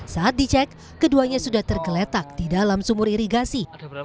saat dicek keduanya sudah tergeletak di dalam sumur irigasi